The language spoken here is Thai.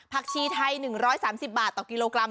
ชีไทย๑๓๐บาทต่อกิโลกรัม